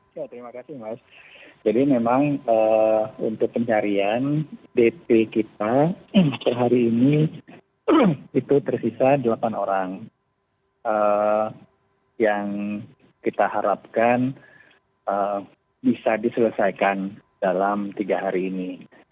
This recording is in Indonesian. terima kasih mas jadi memang untuk pencarian dp kita per hari ini itu tersisa delapan orang yang kita harapkan bisa diselesaikan dalam tiga hari ini